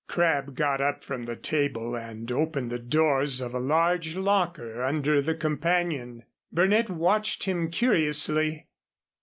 Crabb got up from the table and opened the doors of a large locker under the companion. Burnett watched him curiously.